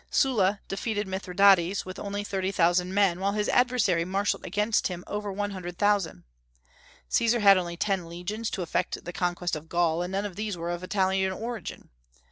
Sulla defeated Mithridates with only thirty thousand men, while his adversary marshalled against him over one hundred thousand. Caesar had only ten legions to effect the conquest of Gaul, and none of these were of Italian origin.